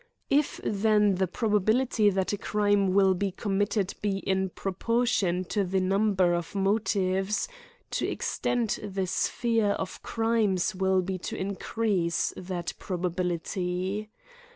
If then the probability that a crime will be committed be in proportion to the number of motives, to extend the sphere of crimes will be to increase that probability.